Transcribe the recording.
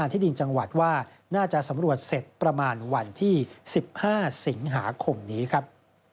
ที่ดินจังหวัดว่าน่าจะสำรวจเสร็จประมาณวันที่๑๕สิงหาคมนี้ครับ